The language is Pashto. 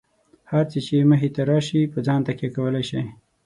هر څه چې مخې ته راشي، په ځان تکیه کولای شئ.